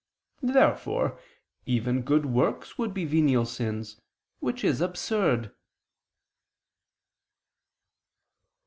Therefore even good works would be venial sins, which is absurd.